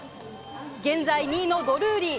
現在２位のドルーリー。